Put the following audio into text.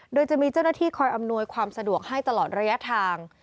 โดยจะมีเจ้าหน้าที่คอยอำนวยความสะดวกให้ตลอดระยะทาง